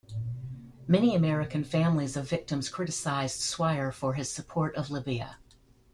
Many American families of victims criticised Swire for his support of Libya.